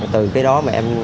từ cái đó mà em